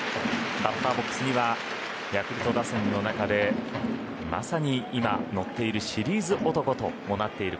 バッターボックスにはヤクルト打線の中でまさに今のっているシリーズ男となっている